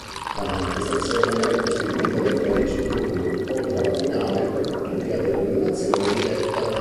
La manifestazione è costituita da tredici turni, oltre alla finale, tutti ad eliminazione diretta.